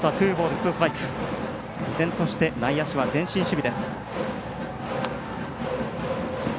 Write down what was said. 依然として内野手は前進守備です。